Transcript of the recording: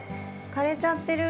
枯れちゃってる。